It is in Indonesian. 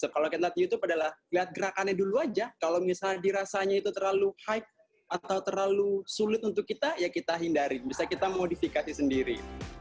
kalau kita lihat youtube adalah lihat gerakannya dulu aja kalau misalnya dirasanya itu terlalu hype atau terlalu sulit untuk kita ya kita hindari bisa kita modifikasi sendiri